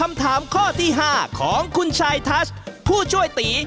ไม่ต้องพูดครับ